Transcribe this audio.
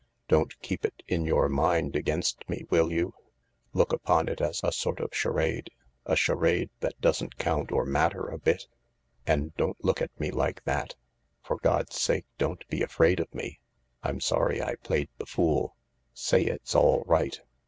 Don't keep it in your mind against me, will you ? Look upon it as a sort of charade, A charade that doesn't count or matter a bit. And don't look at me like that. For God's sake don't be afraid of me, I'm sorry I played the fool. Say it's all right."